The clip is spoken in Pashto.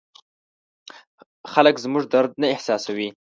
خلک زموږ درد نه احساسوي.